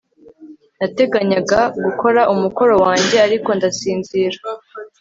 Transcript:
Nateganyaga gukora umukoro wanjye ariko ndasinzira